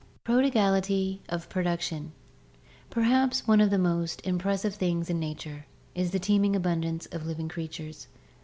Prodigality of Production. — Perhaps one of the most impres sive things in nature is the teeming abundance of living creatures.